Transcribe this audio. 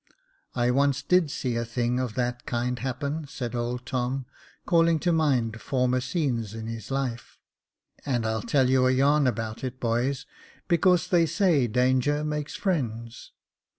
'* I once did see a thing of that kind happen," said old Tom, calling to mind former scenes in his life ;" and I'll tell you a yarn about it, boys, because they say danger makes friends."